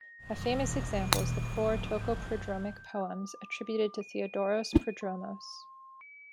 A famous example is the four Ptochoprodromic poems attributed to Theodoros Prodromos.